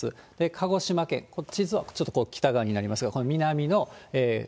鹿児島県、地図はちょっと北側になりますが、これ、南の。